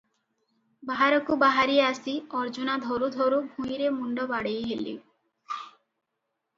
ବାହାରକୁ ବାହାରି ଆସି ଅର୍ଜୁନା ଧରୁ ଧରୁ ଭୂଇଁରେ ମୁଣ୍ଡ ବାଡ଼େଇ ହେଲେ ।